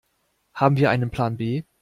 Haben wir einen Plan B?